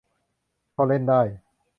พอเล่นได้